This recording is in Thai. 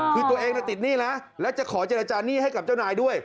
คือตัวเองติดหนี้นะแล้วจะขอเจรจาหนี้ให้กับเจ้านายด้วย